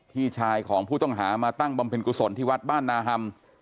พี่ชายของผู้ต้องหามาตั้งบำเพ็ญกุศลที่วัดบ้านนาฮำ